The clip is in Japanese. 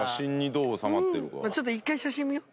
ちょっと１回写真見よう。